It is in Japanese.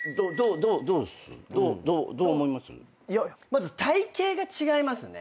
まず体形が違いますね。